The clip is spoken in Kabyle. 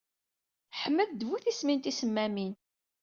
Ḥmed d bu tismin tisemmamin.